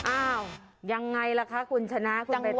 อ้าวยังไงล่ะคะคุณชนะคุณใบต